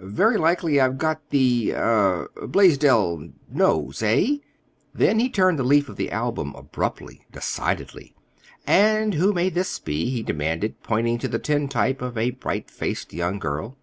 "Very likely I've got the—er—Blaisdell nose. Eh?" Then he turned a leaf of the album abruptly, decidedly. "And who may this be?" he demanded, pointing to the tintype of a bright faced young girl.